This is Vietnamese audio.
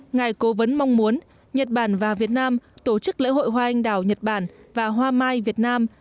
ngài cố vấn mong muốn nhật bản và việt nam tổ chức lễ hội hoa anh đào nhật bản và hoa mai việt nam